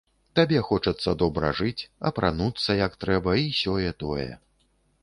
Табе хочацца добра жыць, апрануцца як трэба, і сёе-тое.